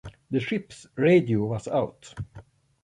The ship's radio was out.